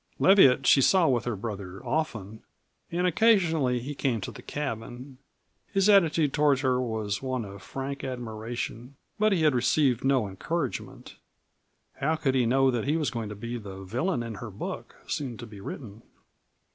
Leviatt she saw with her brother often, and occasionally he came to the cabin. His attitude toward her was one of frank admiration, but he had received no encouragement. How could he know that he was going to be the villain in her book soon to be written?